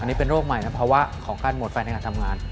อันนี้เป็นโรคใหม่ในภาวะของการหมดแฟนในการทำงาน